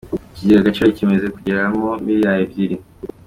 Ikigega Agaciro kimaze kugeramo miliyari Ebyiri